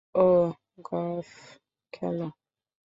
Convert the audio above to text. ও golf খেলে।